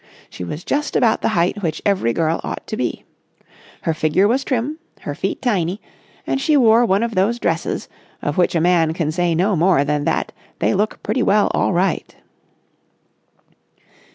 She was just about the height which every girl ought to be. Her figure was trim, her feet tiny, and she wore one of those dresses of which a man can say no more than that they look pretty well all right.